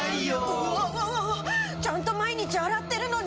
うわわわわちゃんと毎日洗ってるのに。